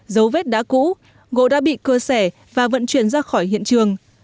dấu vết đã cũ gỗ đã bị cưa sẻ và vận chuyển ra khỏi hiện trường